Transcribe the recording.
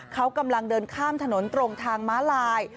เขากำลังเดินข้ามถนนตรงทางม้าลาย